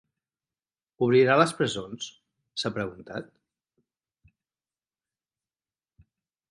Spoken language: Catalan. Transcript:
Obrirà les presons?, s’ha preguntat.